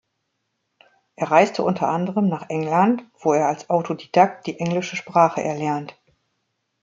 Er reiste unter anderem nach England, wo er als Autodidakt die englische Sprache erlernt.